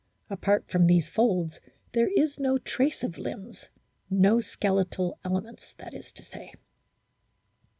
Apart from these folds there is no trace of limbs, no skeletal elements that is to say.